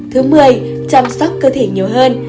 thứ mười chăm sóc cơ thể nhiều hơn